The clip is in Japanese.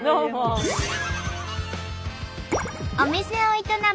お店を営む